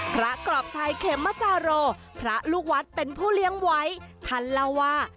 กรอบชัยเขมจาโรพระลูกวัดเป็นผู้เลี้ยงไว้ท่านเล่าว่า